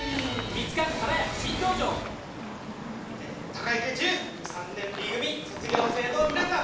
鷹池中３年Ｂ組卒業生の皆さん